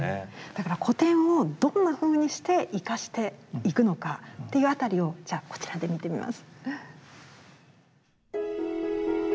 だから古典をどんなふうにして生かしていくのかというあたりをじゃあこちらで見てみます。